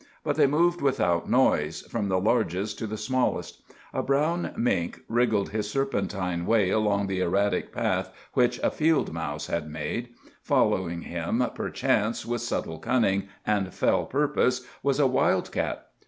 But they moved without noise, from the largest to the smallest. A brown mink wriggled his serpentine way along the erratic path which a field mouse had made; following him, perchance, with subtle cunning and fell purpose, was a wild cat.